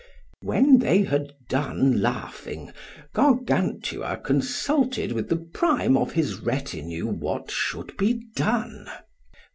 When they had done laughing, Gargantua consulted with the prime of his retinue what should be done.